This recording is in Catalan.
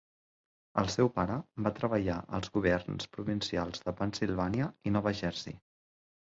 El seu pare va treballar als governs provincials de Pennsilvània i Nova Jersey.